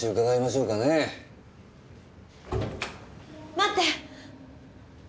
待って！